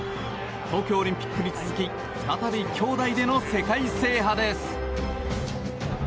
東京オリンピックに続き再び兄妹での世界制覇です。